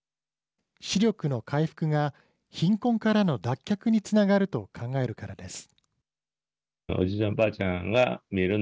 視力の回復が貧困からの脱却につながると考えるからです。